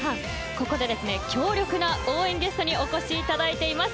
ここで強力な応援ゲストにお越しいただいています。